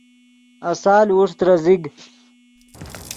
آسال اوݰ ترے زیگ